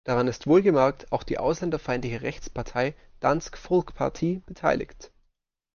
Daran ist wohlgemerkt auch die ausländerfeindliche Rechtspartei, Dansk Folkeparti, beteiligt.